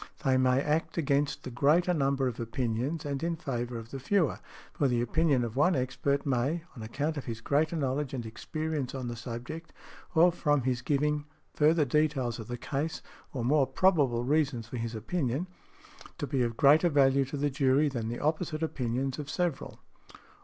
They may act against the greater number of opinions and in favour of the fewer; for the opinion of one expert may, on account of his greater knowledge and experience on the subject, or from his giving further details of the case, or more probable reasons for his opinions, be of greater value to the jury than the opposite opinions of several .